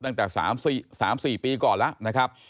ตั้งแต่๓๔ปีก่อนแล้วนะครับ